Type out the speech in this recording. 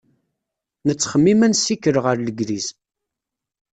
Nettxemmim ad nessikel ɣer Legliz.